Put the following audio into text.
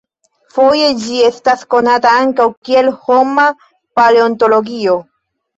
Foje ĝi estas konata ankaŭ kiel "homa paleontologio".